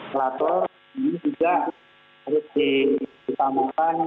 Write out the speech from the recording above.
klator ini juga harus ditambahkan